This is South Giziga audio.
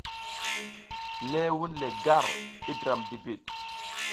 Ləh wun le gar i dram dibid.